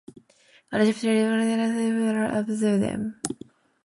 Adjectives are words that modify or describe nouns, adding more information about them.